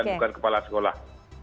bukan kepala sekolah